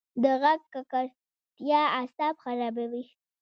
د غږ ککړتیا اعصاب خرابوي.